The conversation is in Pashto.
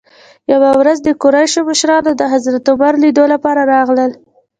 یوې ورځ د قریشو مشران د حضرت عمر لیدلو لپاره راغلل.